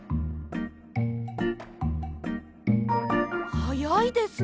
はやいですね。